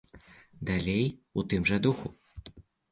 Далей у тым жа духу.